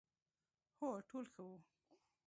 هو، ټول ښه وو،